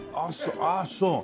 ああそう。